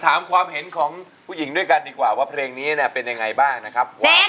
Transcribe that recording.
ตามอยู่ก็เหมือนกันนะคะถ้าผิดก็คือผิดด้วยกันนะ